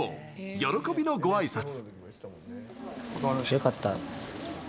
喜びのごあいさつ。